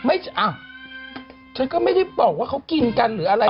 ไม่อ่ะฉันก็ไม่ได้บอกว่าเขากินกันหรืออะไรเนี่ย